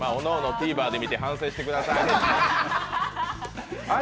ＴＶｅｒで見て反省してください。